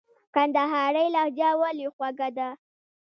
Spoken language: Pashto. کندهارۍ لهجه ولي خوږه ده ؟